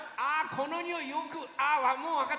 このにおいよくあもうわかった！